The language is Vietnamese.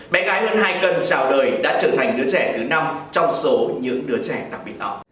bé gái hơn hai cân trào đời đã trở thành đứa trẻ thứ năm trong số những đứa trẻ đặc biệt đó